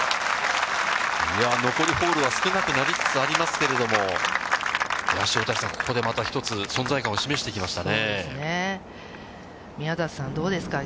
残りホールは少なくなりつつありますけれども、塩谷さん、ここで一つ、また存在感を示してきましそうですね。